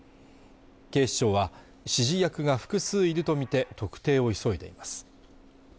警視庁は指示役が複数いると見て特定を急いでいます